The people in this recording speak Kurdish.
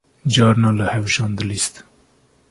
Carna li hewşan dilîst